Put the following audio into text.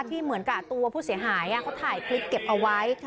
ที่เหมือนกับตัวผู้เสียหายเขาถ่ายคลิปเก็บเอาไว้